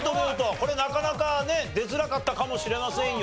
これなかなかね出づらかったかもしれませんよ。